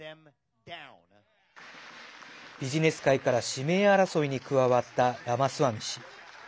ビジネス界から指名争いに加わったラマスワミ氏。